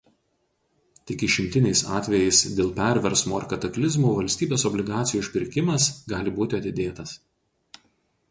Tik išimtiniais atvejais dėl perversmų ar kataklizmų valstybės obligacijų išpirkimas gali būti atidėtas.